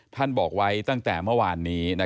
บอกไว้ตั้งแต่เมื่อวานนี้